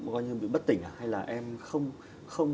coi như bị bất tỉnh hay là em không